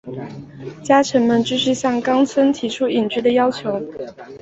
家臣们继续向纲村提出隐居的要求。